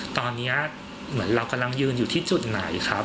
ตอนนี้เหมือนเรากำลังยืนอยู่ที่จุดไหนครับ